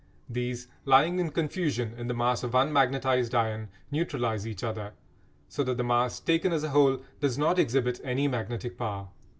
These lying in confusion in the mass of unmagnetised iron neutralise each other, so that the mass, taken as a whole, does not exhibit any magnetic power.